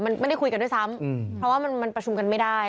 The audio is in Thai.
มันไม่ได้คุยกันด้วยซ้ำเพราะว่ามันประชุมกันไม่ได้